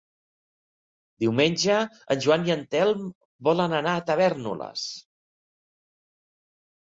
Diumenge en Joan i en Telm volen anar a Tavèrnoles.